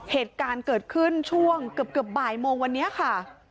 เหตุการณ์เกิดขึ้นช่วงเกือบบ่ายโมงวันนี้ค่ะ